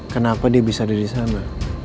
kenapa dia bisa ada disana